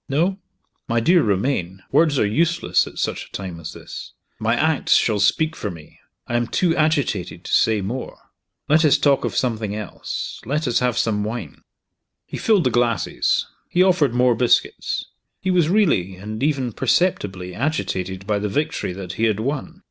No? My dear Romayne, words are useless at such a time as this. My acts shall speak for me. I am too agitated to say more. Let us talk of something else let us have some wine." He filled the glasses; he offered more biscuits. he was really, and even perceptibly, agitated by the victory that he had won.